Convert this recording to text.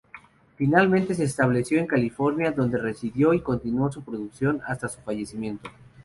Finalmente, se estableció en California, donde residió y continuó su producción hasta su fallecimiento.